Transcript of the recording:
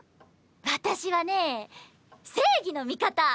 私はね正義の味方！